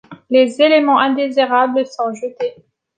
Les éléments indésirables sont jetés.